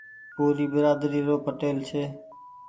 پوري بيرآدري رو پٽيل ڇي۔